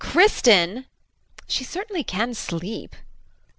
Kristin! She certainly can sleep.